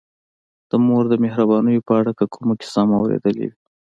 د مور د مهربانیو په اړه که کومه کیسه مو اورېدلې وي.